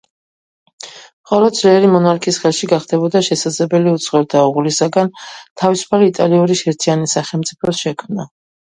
მხოლოდ ძლიერი მონარქის ხელში გახდებოდა შესაძლებელი უცხოელთა უღლისაგან თავისუფალი იტალიური ერთიანი სახელმწიფოს შექმნა.